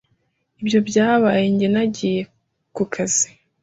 Ibyo byabaye nge nagiye ku kazi .